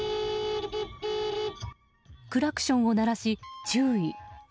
クラクションを鳴らし、注意。